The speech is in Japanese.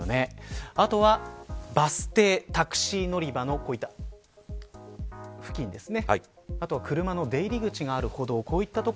あとはバス停、タクシー乗り場の付近ですね。